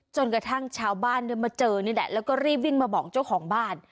จนกระทั่งชาวบ้านมาเจอนี่แหละแล้วก็รีบวิ่งมาบอกเจ้าของบ้าน